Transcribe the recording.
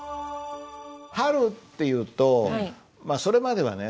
春っていうとそれまではね